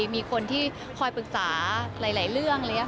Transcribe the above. มีคนที่คอยปรึกษาหลายเรื่อง